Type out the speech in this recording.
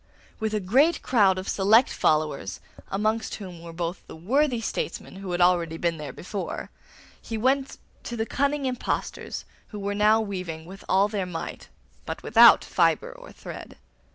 With a great crowd of select followers, amongst whom were both the worthy statesmen who had already been there before, he went to the cunning impostors, who were now weaving with all their might, but without fibre or thread.